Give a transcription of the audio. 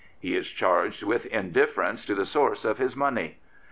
He is charged with indifference to the source of his money.